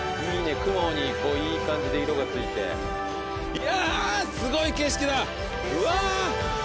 雲にこういい感じで色が付いていやすごい景色だうわ！